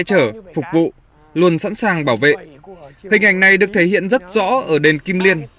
trở phục vụ luôn sẵn sàng bảo vệ hình ảnh này được thể hiện rất rõ ở đền kim liên